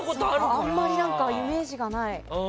あまりイメージがない。